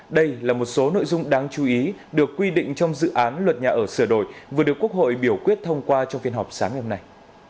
đây là một số nội dung đáng chú ý được quy định trong dự án luật nhà ở sửa đổi vừa được quốc hội biểu quyết thông qua trong phiên họp sáng ngày hôm nay